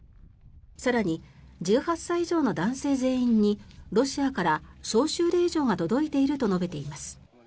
更に、１８歳以上の男性全員にロシアから招集令状が届いていると述べています。